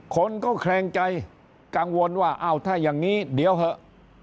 คนก็แคลงใจกังวลว่าอ้าวถ้าอย่างนี้เดี๋ยวเถอะ